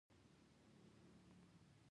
کورس د زده کړو لیوالتیا پیدا کوي.